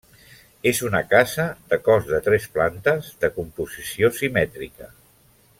És una casa de cos de tres plantes, de composició simètrica.